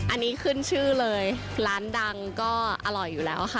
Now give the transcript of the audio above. อันนี้ขึ้นชื่อเลยร้านดังก็อร่อยอยู่แล้วค่ะ